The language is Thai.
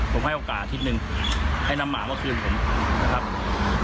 ผมให้โอกาสอาทิตย์หนึ่งให้นำหมามาคืนผมนะครับ